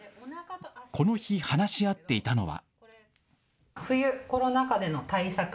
この日、話し合っていたのは。